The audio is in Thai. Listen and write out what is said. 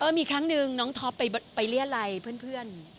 เออมีครั้งหนึ่งน้องทอปไปเรียกอะไรเพื่อน